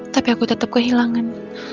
tapi aku tetep kehilangan